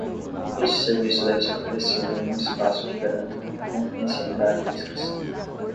Este serviço deve ser oferecido em um espaço que garanta confidencialidade e discrição.